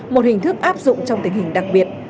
một hình thức áp dụng trong tình hình đặc biệt